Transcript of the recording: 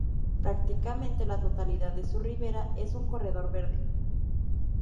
Prácticamente la totalidad de su ribera es un corredor verde.